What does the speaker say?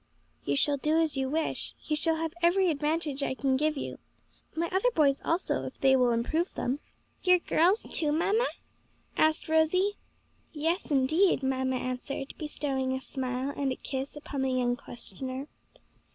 "You shall do as you wish; you shall have every advantage I can give you. My other boys also, if they will improve them." "Your girls, too, mamma?" asked Rosie. "Yes, indeed," mamma answered, bestowing a smile and a kiss upon the young questioner.